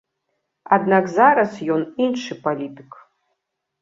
Аднак зараз ён іншы палітык.